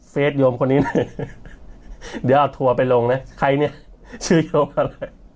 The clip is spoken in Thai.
โยมคนนี้เลยเดี๋ยวเอาทัวร์ไปลงนะใครเนี่ยชื่อโยมอะไร